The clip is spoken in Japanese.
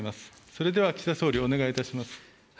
それでは岸田総理、お願いいたします。